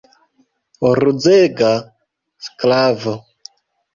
Ruzega sklavo!